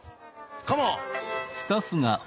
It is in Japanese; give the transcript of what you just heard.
カモン！